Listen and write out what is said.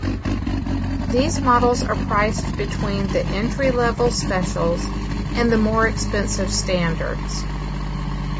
These models are priced between the entry-level Specials and the more expensive Standards.